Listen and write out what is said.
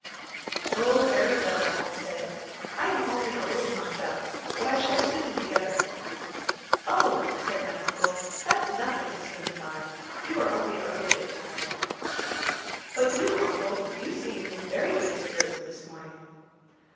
"Oh, very well," I said. "I am only a little knocked up, but I shall soon be better." "Oh," says my uncle, "that's nothing to signify. You are only a little bit tired." "But you, uncle, you seem in very good spirits this morning."